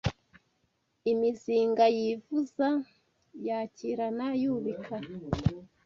Imizinga yivuza Yakirana yubika